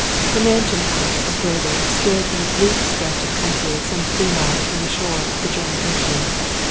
The mansion house of Graden stood in a bleak stretch of country some three miles from the shore of the German Ocean.